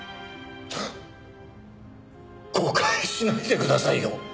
誤解しないでくださいよ！